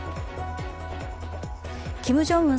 キム・ジョンウン